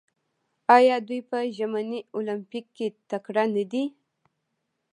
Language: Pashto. آیا دوی په ژمني المپیک کې تکړه نه دي؟